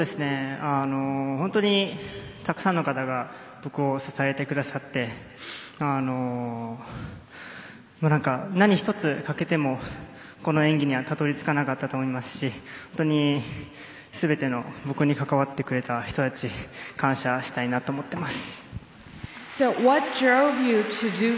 たくさんの方が僕を支えてくださって何一つ欠けても、この演技にはたどり着かなかったと思いますし全ての僕に関わってくれた人たちに感謝したいなと思っています。